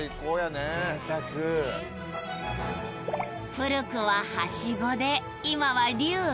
古くは「ハシゴ」で今は「龍」。